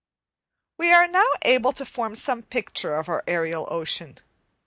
We are now able to form some picture of our aerial ocean.